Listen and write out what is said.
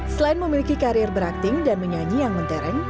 selain memiliki karir berakting dan menyatakan